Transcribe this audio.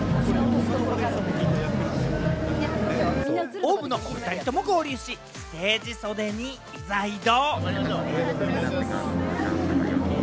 ＯＷＶのおふたりとも合流し、ステージ袖にいざ移動。